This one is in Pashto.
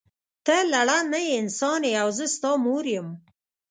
ته لړم نه یی انسان یی او زه ستا مور یم.